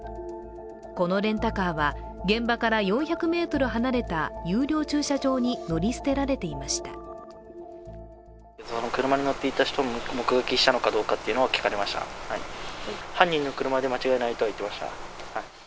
このレンタカーは現場から４００ｍ離れた有料駐車場に乗り捨てられていました。